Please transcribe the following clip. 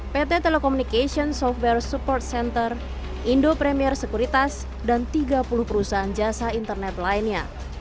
pt telekomunikasi software support center indo premier sekuritas dan tiga puluh perusahaan jasa internet lainnya